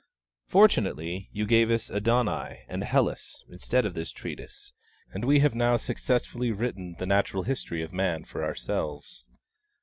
Fortunately you gave us 'Adonai, and 'Hellas' instead of this treatise, and we have now successfully written the natural history of Man for ourselves.